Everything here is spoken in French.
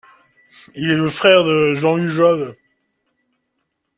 Il est le frère de Jean Lugeol.